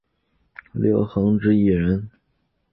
六星之一人。